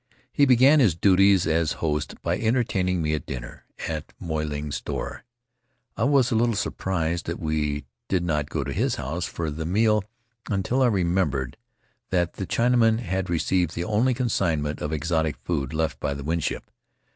He began his duties as host by entertaining me at dinner at Moy Ling's store. I was a little surprised that we did not go to his house for the meal until I remembered that the Chinaman had received the only consignment of exotic food left by the Winship.